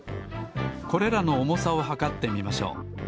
これらのおもさをはかってみましょう。